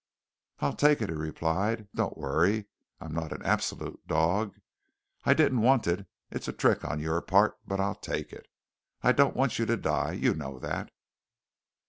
"I'll take it," he replied. "Don't worry. I'm not an absolute dog. I didn't want it. It's a trick on your part, but I'll take it. I don't want you to die. You know that."